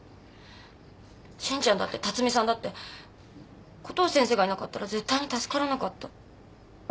信ちゃんだって巽さんだってコトー先生がいなかったら絶対に助からなかった。